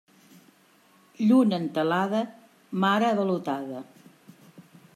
Lluna entelada, mar avalotada.